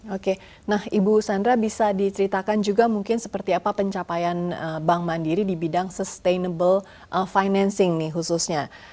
oke nah ibu sandra bisa diceritakan juga mungkin seperti apa pencapaian bank mandiri di bidang sustainable financing nih khususnya